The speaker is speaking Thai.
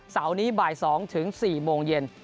เสาร์นี้บ่าย๒ถึง๔โมงเย็น